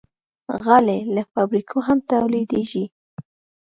غالۍ له فابریکو هم تولیدېږي.